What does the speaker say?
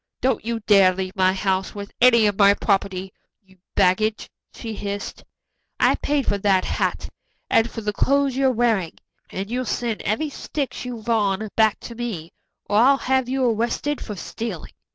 "Don't you dare leave my house with any of my property, you baggage," she hissed. "I paid for that hat and for the clothes you're wearing, and you'll send every stitch you've on back to me, or I'll have you arrested for stealing."